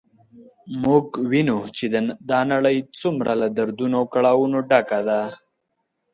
موږ وینو چې دا نړی څومره له دردونو او کړاوونو ډکه ده